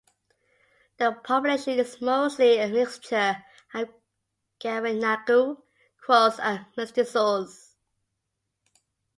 The population is mostly a mixture of Garinagu, Kriols and Mestizos.